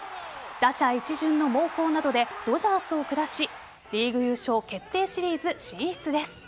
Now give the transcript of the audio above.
打者一巡の猛攻などでドジャースを下しリーグ優勝決定シリーズ進出です。